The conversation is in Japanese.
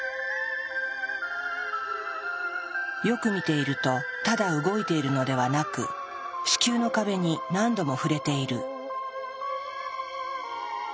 よく見ているとただ動いているのではなく子宮の壁に何度も触れている。